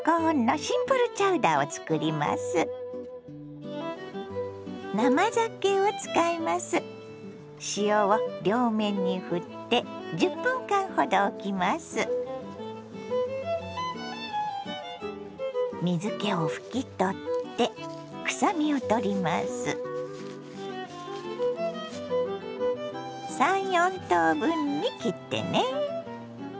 ３４等分に切ってね。